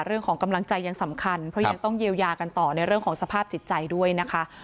เรื่องของกำลังใจยังสำคัญเพราะยังต้องเยียวยากันต่อในเรื่องของสภาพจิตใจด้วยนะคะ